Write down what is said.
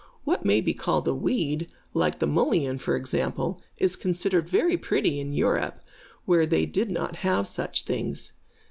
What may be called a weed, like the mullein, for example, is considered very pretty in Europe, where they did not have such things.